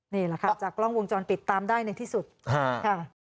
นี่แหละค่ะจากกล้องวงจรปิดตามได้ในที่สุดค่ะ